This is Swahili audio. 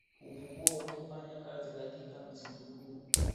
Umekuwa ukifanya kazi katika msitu huu